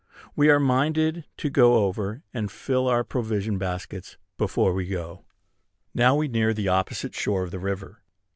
We are minded to go over and fill our provision baskets before they go. Now we near the opposite shore of the river.